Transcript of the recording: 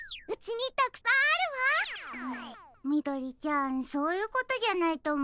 みどりちゃんそういうことじゃないとおもうよ。